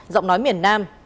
giọng nói miền nam